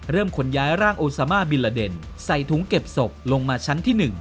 ขนย้ายร่างโอซามาบิลลาเดนใส่ถุงเก็บศพลงมาชั้นที่๑